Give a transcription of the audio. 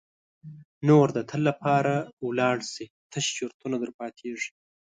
نور د تل لپاره ولاړ سي تش چرتونه در پاتیږي.